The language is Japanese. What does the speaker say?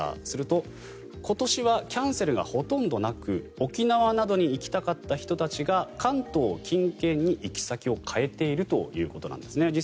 すると、今年はキャンセルがほとんどなく沖縄などに行きたかった人たちが関東近県に行き先を変えているということなんですね。